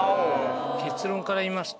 結論から言いますと。